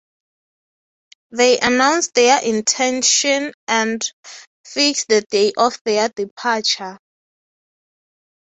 They announce their intention and fix the day of their departure.